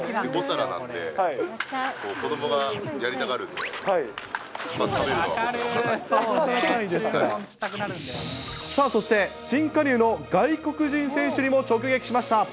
５皿なんで、子どもがやりたがるさあ、そして新加入の外国人選手にも直撃しました。